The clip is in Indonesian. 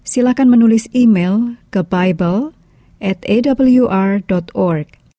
silakan menulis email ke bible awr org